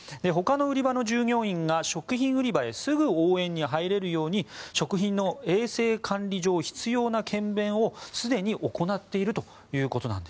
ほかの売り場の従業員が食品売り場へすぐに応援に入れるように食品の衛生管理上必要な検便をすでに行っていると。